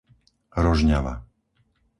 Rožňava